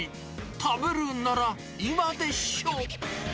食べるなら今でしょ。